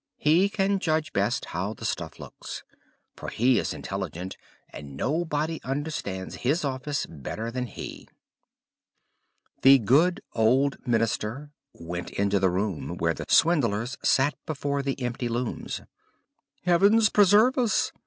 "He can judge best how the stuff looks, for he is intelligent, and nobody understands his office better than he." The good old minister went into the room where the swindlers sat before the empty looms. "Heaven preserve us!"